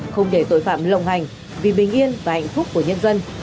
không để tội phạm lộng hành vì bình yên và hạnh phúc của nhân dân